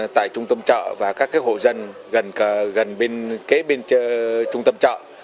tại trung tâm chợ và các hộ dân gần kế bên trung tâm chợ